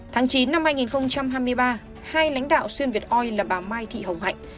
tháng chín năm hai nghìn hai mươi ba hai lãnh đạo xuyên việt oi là bà mai thị hồng hạnh